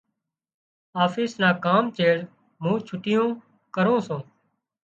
آفيس نا ڪام چيڙ مُون ڇُٽُو ڪرُون سُون۔